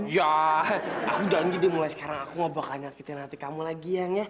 ya aku janji deh mulai sekarang aku nggak bakal nyakitin hati kamu lagi ya